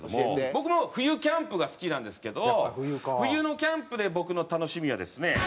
僕も冬キャンプが好きなんですけど冬のキャンプで僕の楽しみはですね